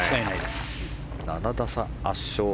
７打差、圧勝。